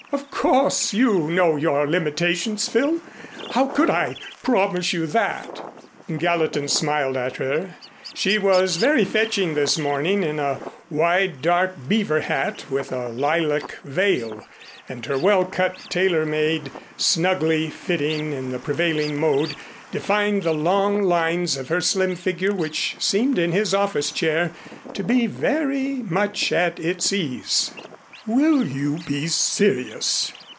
"Of course you know your limitations, Phil. How could I promise you that?" Gallatin smiled at her. She was very fetching this morning in a wide dark beaver hat with a lilac veil, and her well cut tailor made, snugly fitting in the prevailing mode, defined the long lines of her slim figure which seemed in his office chair to be very much at its ease. "Will you be serious?"